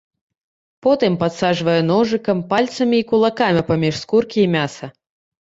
Потым падсаджвае ножыкам, пальцамі і кулакамі паміж скуркі і мяса.